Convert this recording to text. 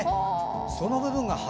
その部分が花！